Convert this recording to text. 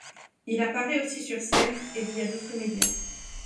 Il apparait aussi sur scène et via d’autres médias.